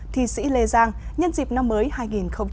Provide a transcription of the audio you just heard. thi sĩ lê giang nhân dịp năm mới hai nghìn hai mươi